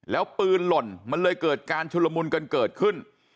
แล้วปืนหล่นมันเลยเกิดการชุลมุนกันเกิดขึ้น